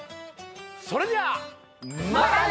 それではまたね！